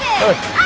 あ！